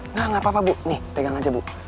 nah nggak apa apa bu nih pegang aja bu